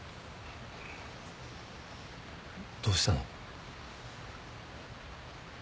どうしたの？